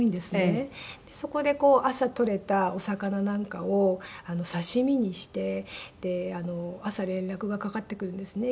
そこで朝取れたお魚なんかを刺し身にしてで朝連絡がかかってくるんですね。